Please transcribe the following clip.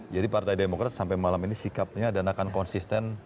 jadi partai demokrat sampai malam ini sikapnya dan akan konsisten